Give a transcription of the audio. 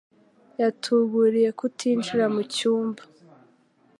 Yatuburiye kutinjira mu cyumba